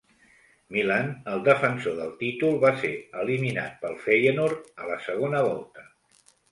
Milan, el defensor del títol, va ser eliminat pel Feyenoord a la segona volta.